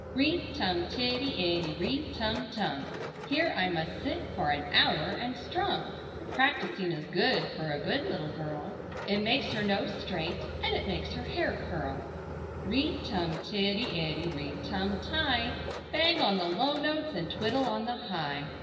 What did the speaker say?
Ri tum tiddy iddy, ri tum tum! Here I must sit for an hour and strum: Practising is good for a good little girl, It makes her nose straight, and it makes her hair curl. Ri tum tiddy iddy, ri tum ti! Bang on the low notes and twiddle on the high.